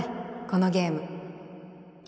このゲーム